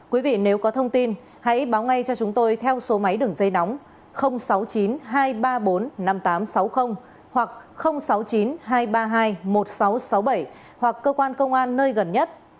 quý vị nếu có thông tin hãy báo ngay cho chúng tôi theo số máy đường dây nóng sáu mươi chín hai trăm ba mươi bốn năm nghìn tám trăm sáu mươi hoặc sáu mươi chín hai trăm ba mươi hai một nghìn sáu trăm sáu mươi bảy hoặc cơ quan công an nơi gần nhất